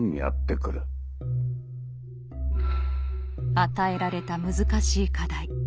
与えられた難しい課題。